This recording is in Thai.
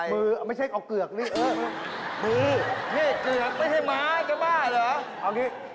มือไหนเกือกไม่ให้มาเกปล้าหรี่